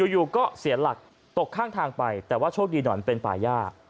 อยู่ก็เสียหลักตกข้างทางไปแต่ว่าโชคดีหน่อยมันเป็นป่าย่า